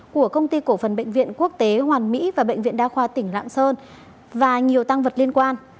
của công ty cổ phần bệnh viện quốc tế hoàn mỹ và bệnh viện đa khoa tỉnh lạng sơn và nhiều tăng vật liên quan